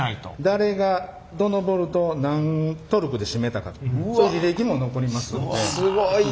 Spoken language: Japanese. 誰がどのボルトを何トルクで締めたかとそういう履歴も残りますので。